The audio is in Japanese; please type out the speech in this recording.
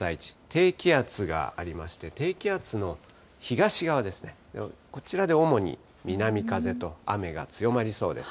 低気圧がありまして、低気圧の東側ですね、こちらで主に南風と雨が強まりそうです。